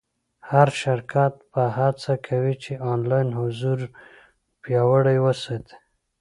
هر شرکت به هڅه کوي چې آنلاین حضور پیاوړی وساتي.